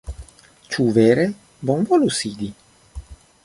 Ĉu vere? Bonvolu sidi